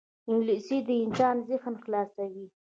انګلیسي د انسان ذهن خلاصوي